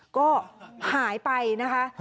ก็หายไปนะคะ